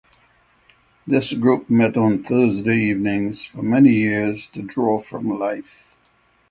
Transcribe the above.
This group met on Thursday evenings for many years to draw from life.